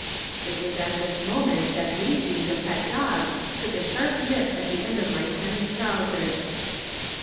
It was at this moment that Weejee, the pet dog, took a sharp nip at the end of my tennis trousers.